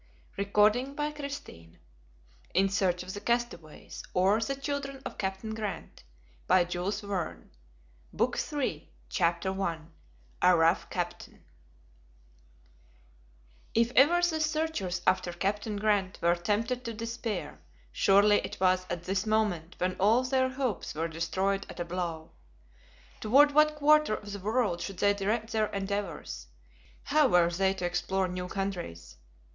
END OF BOOK TWO IN SEARCH OF THE CASTAWAYS OR THE CHILDREN OF CAPTAIN GRANT NEW ZEALAND [page intentionally blank] CHAPTER I A ROUGH CAPTAIN IF ever the searchers after Captain Grant were tempted to despair, surely it was at this moment when all their hopes were destroyed at a blow. Toward what quarter of the world should they direct their endeavors? How were they to explore new countries?